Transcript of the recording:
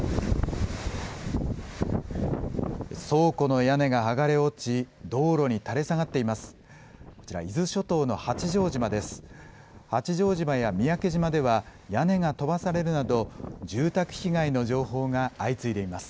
倉庫の屋根が剥がれ落ち、道路に垂れ下がっています。